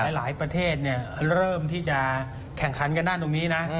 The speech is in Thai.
หลายประเทศเริ่มที่จะแข่งขันกันด้านตรงนี้นะ